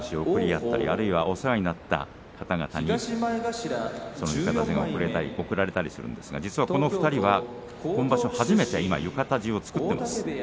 合ったりあるいはお世話になった方々に贈られたりするんですが実は、この２人は今場所初めて浴衣地を作っています。